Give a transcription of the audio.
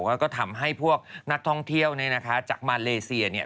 แล้วก็ทำให้พวกนักท่องเที่ยวจากมาเลเซีย